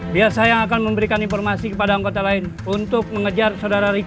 biar saya yang akan memberikan informasi kepada anggota lain untuk mengejar saudara riki